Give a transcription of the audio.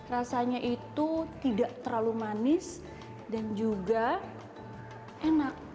rasanya itu tidak terlalu manis dan juga enak